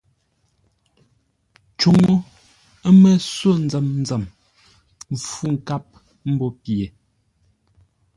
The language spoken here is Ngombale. I@Cúŋə́ (lóŋə́) ə́ mə́ só nzəm nzəm mpfú nkâp mbô pye.